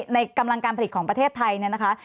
ในกำลังการผลิตของประเทศไทย